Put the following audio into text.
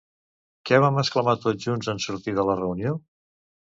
Què van exclamar tot junts en sortir de la reunió?